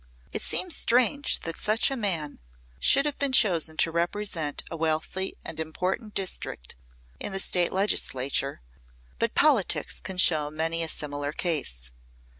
It seems strange that such a man should have been chosen to represent a wealthy and important district in the State Legislature, but politics can show many a similar case.